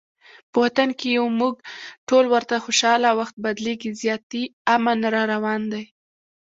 په وطن کې یو مونږ ټول ورته خوشحاله، وخت بدلیږي زیاتي امن راروان دی